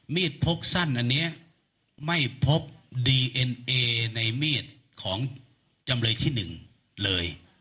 พกสั้นอันนี้ไม่พบดีเอ็นเอในมีดของจำเลยที่๑เลย